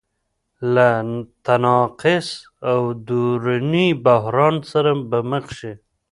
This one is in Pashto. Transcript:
له تناقض او دروني بحران سره به مخ شي.